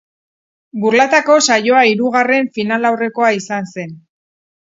Burlatako saioa hirugarren finalaurrekoa izan zen.